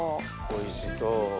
おいしそう。